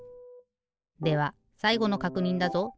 ではさいごのかくにんだぞ。